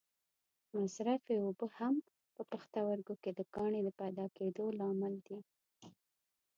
مصرفې اوبه هم په پښتورګو کې د کاڼې د پیدا کېدو لامل دي.